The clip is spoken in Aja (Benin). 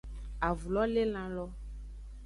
Avu lo le elan lo.